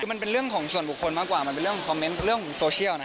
คือมันเป็นเรื่องของส่วนบุคคลมากกว่ามันเป็นเรื่องคอมเมนต์เรื่องโซเชียลนะ